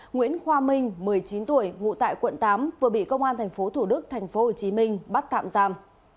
nguyễn khoa minh một mươi chín tuổi ngụ tại quận tám vừa bị công an tp thủ đức tp hcm bắt thạm giam